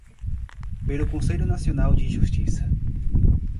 pelo Conselho Nacional de Justiça;